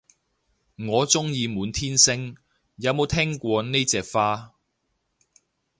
我鍾意滿天星，有冇聽過呢隻花